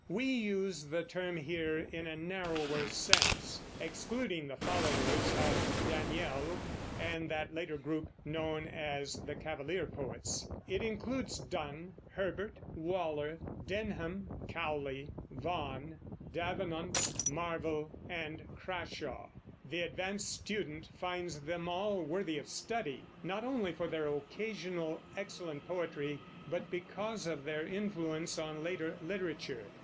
We use the term here in a narrower sense, excluding the followers of Daniel and that later group known as the Cavalier poets. It includes Donne, Herbert, Waller, Denham, Cowley, Vaughan, Davenant, Marvell, and Crashaw. The advanced student finds them all worthy of study, not only for their occasional excellent poetry, but because of their influence on later literature.